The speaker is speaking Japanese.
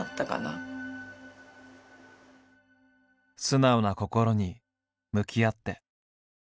素直な心に向き合って。